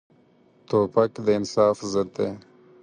توپک د انصاف ضد دی.